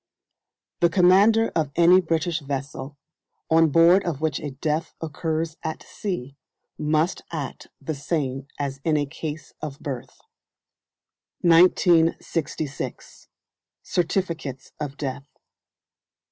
The commander of any British vessel, on board of which a death occurs at sea, must act the same as in a case of birth. 1966. Certificates of Death.